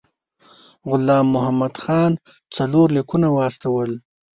غلام محمد خان څلور لیکونه واستول.